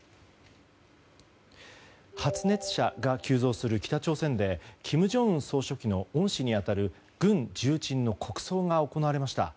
発熱者が急増する北朝鮮で金正恩総書記の恩師に当たる軍重鎮の国葬が行われました。